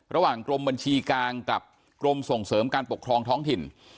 ระหว่างกรมบัญชีกลางกับกรมส่งเสริมการปกครองท้องถิ่น